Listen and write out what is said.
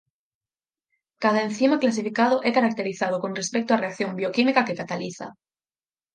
Cada encima clasificado é caracterizado con respecto á reacción bioquímica que cataliza.